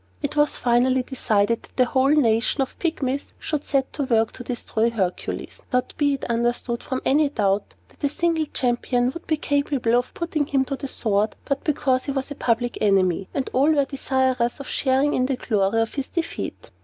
It was finally decided that the whole nation of Pygmies should set to work to destroy Hercules; not, be it understood, from any doubt that a single champion would be capable of putting him to the sword, but because he was a public enemy, and all were desirous of sharing in the glory of his defeat.